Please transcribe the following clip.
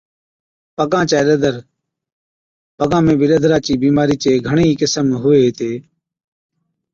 پگان چَي ڏَدر، پگان ۾ بِي ڏَدرا چِي بِيمارِي چي گھڻي ئِي قسم هُوي هِتي۔